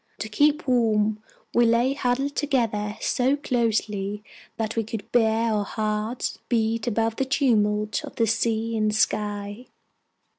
To keep warm, we lay huddled together so closely that we could bear our hearts beat above the tumult of sea and sky.